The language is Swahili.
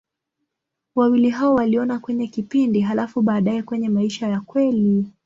Wawili hao waliona kwenye kipindi, halafu baadaye kwenye maisha ya kweli.